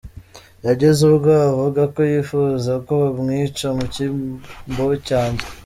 Yageze ubwo avuga ko yifuza ko bamwica mu cyimbo cyanjye.